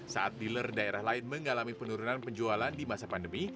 saat dealer daerah lain mengalami penurunan penjualan di masa pandemi